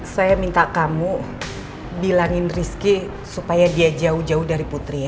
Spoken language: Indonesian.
saya minta kamu bilangin rizky supaya dia jauh jauh dari putri